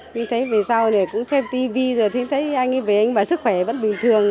thì thấy về sau này cũng xem tv rồi thấy anh ấy về anh ấy và sức khỏe vẫn bình thường